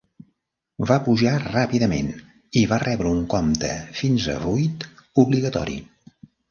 Va pujar ràpidament i va rebre un compte fins a vuit obligatori.